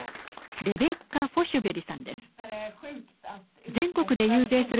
レベッカ・フォシュベリさんです。